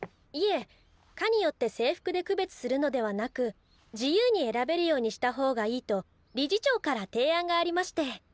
いえ科によって制服で区別するのではなく自由に選べるようにした方がいいと理事長から提案がありまして。